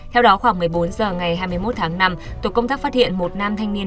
theo đó khoảng một mươi bốn h ngày hai mươi một tháng năm tổ công tác phát hiện một nam thanh niên